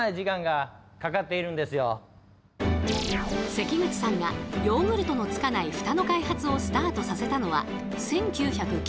関口さんがヨーグルトのつかないフタの開発をスタートさせたのは１９９５年。